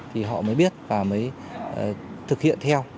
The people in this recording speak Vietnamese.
thì họ mới biết và mới thực hiện theo